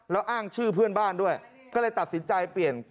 แล้วอ้างชื่อเพื่อนบ้านด้วยก็เลยตัดสินใจเปลี่ยน